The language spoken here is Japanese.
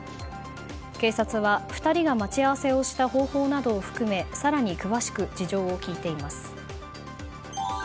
警察は２人が待ち合わせをした方法などを含め更に詳しく事情を聴いています。